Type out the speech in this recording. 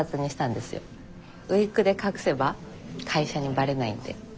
ウイッグで隠せば会社にばれないんで。